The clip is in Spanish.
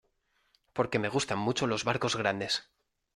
porque me gustan mucho los barcos grandes.